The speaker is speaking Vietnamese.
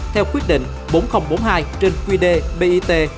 theo quyết định bốn nghìn bốn mươi hai trên quy đề bit